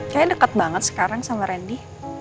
kayaknya deket banget sekarang sama randy